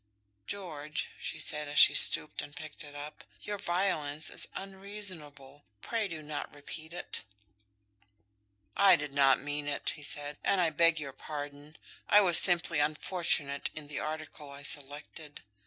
"George," she said, as she stooped and picked it up, "your violence is unreasonable; pray do not repeat it." "I did not mean it," he said, "and I beg your pardon. I was simply unfortunate in the article I selected.